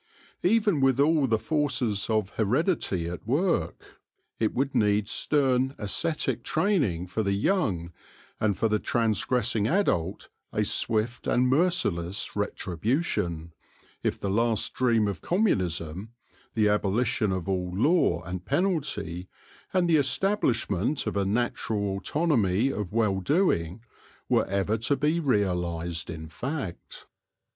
Even with all the forces of heredity at work, it would need stern ascetic training for the young, and for the transgressing adult a swift and merciless retribution, if the last dream of communism — the abolition of all law and penalty, and the establishment of a natural autonomy of well doing — were ever to be realised in fact.